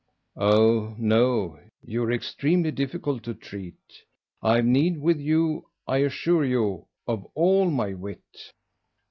"Oh no, you're extremely difficult to treat. I've need with you, I assure you, of all my wit."